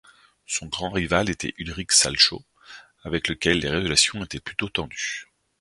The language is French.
Son grand rival était Ulrich Salchow, avec lequel les relations étaient plutôt tendues.